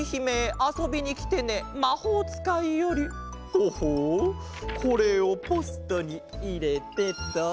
ほほうこれをポストにいれてと。